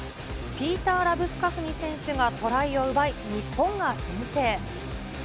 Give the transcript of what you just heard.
ピーター・ラブスカフニ選手がトライを奪い、日本が先制。